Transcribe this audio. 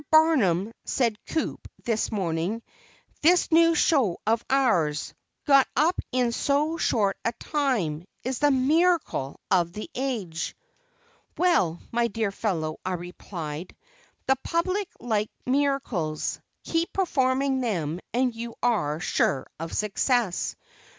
Barnum," said Coup this morning, "this new show of ours, got up in so short a time, is the miracle of the age." "Well, my dear fellow," I replied, "the public like miracles; keep performing them and you are sure of success.